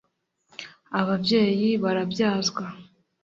Ababyeyi barabyazwa